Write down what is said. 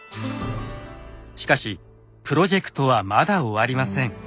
しかしプロジェクトはまだ終わりません。